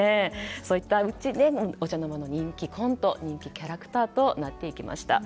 そういったのちにお茶の間の人気コント人気キャラクターとなっていきました。